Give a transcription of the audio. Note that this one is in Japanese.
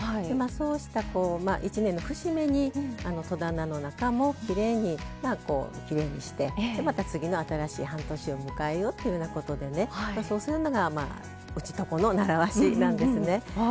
そうした１年の節目に戸棚の中もきれいにしてまた次の新しい半年を迎えようというようなことでねそうするのがうちとこの習わしなんですね。